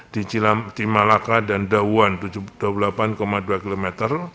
di cilam timalaka dan dauwan dua puluh delapan dua kilometer